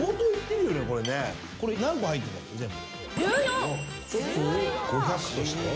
これ何個入ってんだっけ全部。